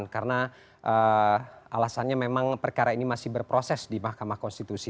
karena alasannya memang perkara ini masih berproses di mahkamah konstitusi